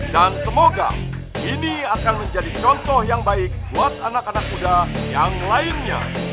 dan semoga ini akan menjadi contoh yang baik buat anak anak muda yang lainnya